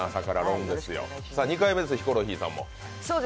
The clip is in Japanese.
２回目ですね、ヒコロヒーさんも。